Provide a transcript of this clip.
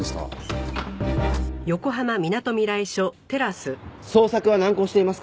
捜索は難航していますか？